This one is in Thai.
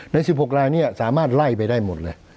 ใน๑๖ลายนี้สามารถไล่ไปได้หมดเลย